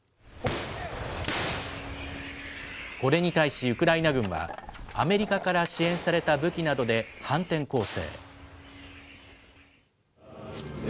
これに対しウクライナ軍は、アメリカから支援された武器などで、反転攻勢。